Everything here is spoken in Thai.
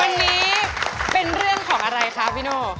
วันนี้เป็นเรื่องของอะไรคะพี่โน่